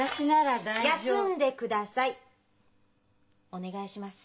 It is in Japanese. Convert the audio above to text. お願いします。